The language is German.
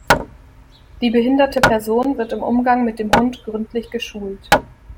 Die behinderte Person wird im Umgang mit dem Hund gründlich geschult.